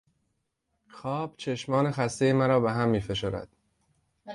خواب، چشمان خستهی مرا بههم میفشرد.